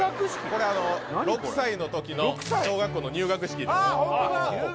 これ６歳の時の小学校の入学式のあー